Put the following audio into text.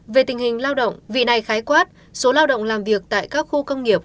về tình hình lao động vị này khái quát số lao động làm việc tại các khu công nghiệp